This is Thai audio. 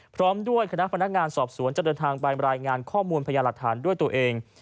พร้อมด้วยคณะพนักงานสอบสวนจะเดินทางไปรายงานข้อมูลพยาหลักฐานด้วยตัวเอง